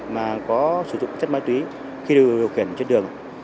mà có sử dụng chất ma túy khi điều kiện trên đường